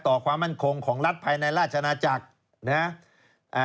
ความมั่นคงของรัฐภายในราชนาจักรนะฮะ